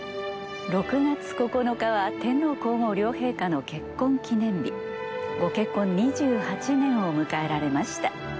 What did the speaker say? ６月９日は天皇皇后両陛下の結婚記念日。ご結婚２８年を迎えられました。